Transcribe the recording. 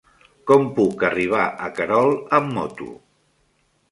Com puc arribar a Querol amb moto?